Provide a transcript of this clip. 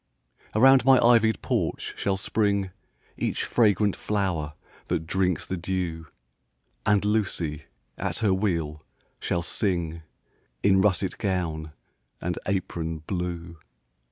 Around my ivy'd porch shall spring Each fragrant flower that drinks the dew; And Lucy, at her wheel, shall sing In russet gown and apron blue.